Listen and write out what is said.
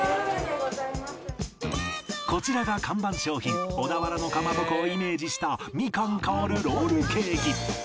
こちらが看板商品小田原のかまぼこをイメージしたみかん香るロールケーキ